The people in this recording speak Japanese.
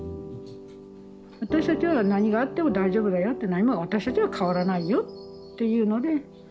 私たちは何があっても大丈夫だよって何も私たちは変わらないよっていうので見守りますよと。